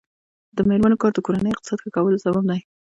د میرمنو کار د کورنۍ اقتصاد ښه کولو سبب دی.